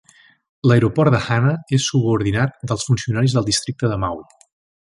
L'aeroport de Hana és subordinat dels funcionaris del districte de Maui.